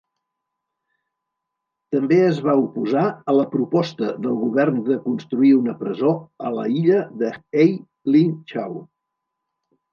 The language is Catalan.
També es va oposar a la proposta del govern de construir una presó a la illa de Hei Ling Chau.